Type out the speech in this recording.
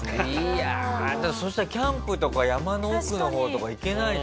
いやあそしたらキャンプとか山の奥の方とか行けないじゃない。